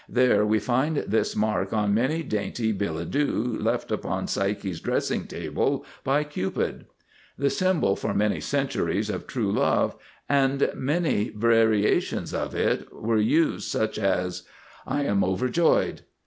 There we find this mark on many dainty billet doux left upon Psyche's dressing table by Cupid. The symbol, for many centuries, of True Love, and many variations of it were used; such as: [Illustration: I am overjoyed.